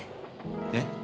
えっ？